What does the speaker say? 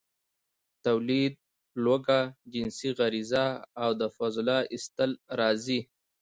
، توليد، لوږه، جنسي غريزه او د فضله ايستل راځي.